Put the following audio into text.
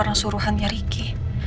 yang suruhannya ricky